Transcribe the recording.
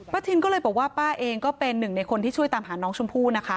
ทินก็เลยบอกว่าป้าเองก็เป็นหนึ่งในคนที่ช่วยตามหาน้องชมพู่นะคะ